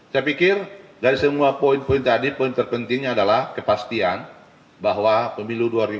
saya pikir dari semua poin poin tadi poin terpentingnya adalah kepastian bahwa pemilu dua ribu dua puluh